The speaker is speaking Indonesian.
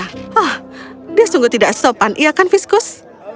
hah dia sungguh tidak sopan iya kan viskus